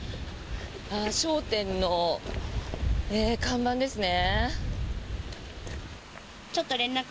商店の看板ですね。